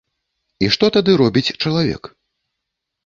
І што тады робіць чалавек?